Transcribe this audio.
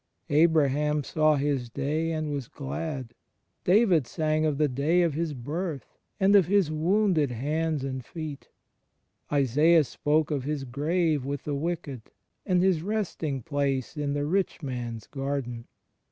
Abraham saw His day, and was glad; David sang of the day of His birth and of His woimded hands and feet: Isalas spoke of His grave with the wicked and his resting place in the rich man's garden.